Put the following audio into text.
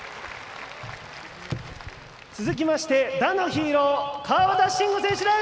続きまして、打のヒーロー川端慎吾選手です。